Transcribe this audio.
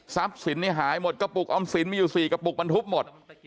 ทรัพย์สินทร์เนี้ยหายหมดกระปุกอำสินทร์มีอยู่สี่กระปุกมันทุบหมด